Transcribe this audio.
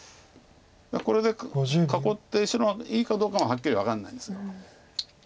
これで囲って白がいいかどうかがはっきり分かんないんです。